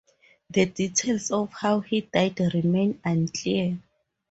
The details of how he died remain unclear.